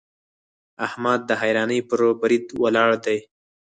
احمد د حيرانۍ پر بريد ولاړ دی.